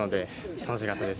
楽しかったです。